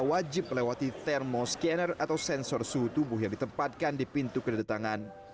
wajib melewati thermal scanner atau sensor suhu tubuh yang ditempatkan di pintu kedatangan